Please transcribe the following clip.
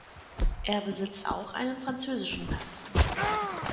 Er besitzt auch einen französischen Pass.